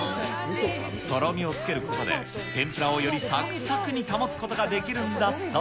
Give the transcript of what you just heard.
とろみをつけることで、天ぷらをよりさくさくに保つことができるんだそう。